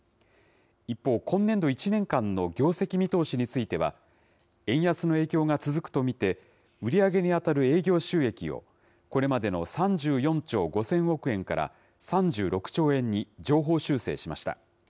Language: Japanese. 一方、今年度１年間の業績見通しについては、円安の影響が続くと見て、売り上げに当たる営業収益をこれまでの３４兆５０００億円から３６兆円に上方修正しました。